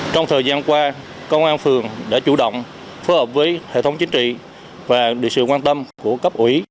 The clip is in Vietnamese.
trong thời gian qua công an phường đã chủ động phối hợp với hệ thống chính trị và được sự quan tâm của cấp ủy